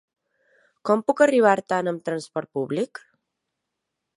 Com puc arribar a Artana amb transport públic?